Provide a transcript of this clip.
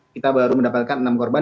kita baru mendapatkan enam korban